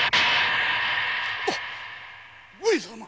上様。